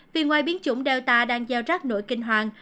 vì ngoài biến chủng delta đang gieo rác nỗi kinh hoàng